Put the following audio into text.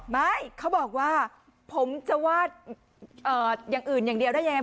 ไม่เขาบอกว่าผมจะวาดอย่างอื่นอย่างเดียวได้ยังไง